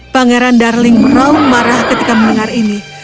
pangeran darling meraung marah ketika mendengar ini